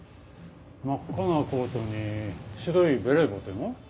真っ赤なコートに白いベレー帽っていうの？